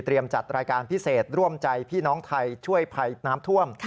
จัดรายการพิเศษร่วมใจพี่น้องไทยช่วยภัยน้ำท่วม